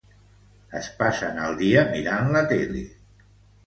Es passen el dia mirant la tele.